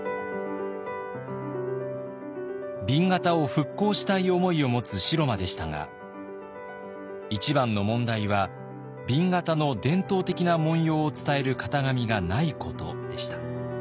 紅型を復興したい思いを持つ城間でしたが一番の問題は紅型の伝統的な紋様を伝える型紙がないことでした。